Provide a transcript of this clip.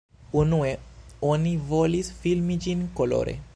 Unue oni volis filmi ĝin kolore.